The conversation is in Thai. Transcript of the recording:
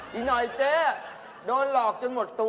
อีกหน่อยเจ๊โดนหลอกจนหมดตัว